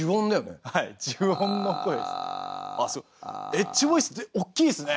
エッジボイス大きいですね！